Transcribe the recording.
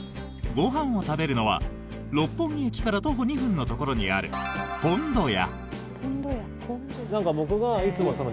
ご飯を食べるのは六本木駅から徒歩２分のところにある听屋。